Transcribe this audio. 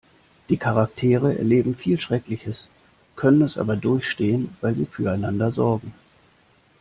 Die Charaktere erleben viel Schreckliches, können es aber durchstehen, weil sie füreinander sorgen.